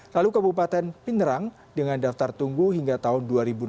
lalu kabupaten pinderang dengan daftar tunggu hingga tahun dua ribu enam puluh dua